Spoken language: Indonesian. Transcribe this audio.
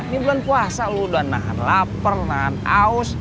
ini bulan puasa udah laper lahan aus